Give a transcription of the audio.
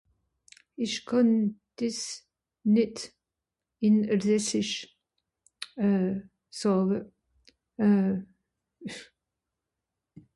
ich kànn diss nitt in Elsässisch euh sààwe euh fff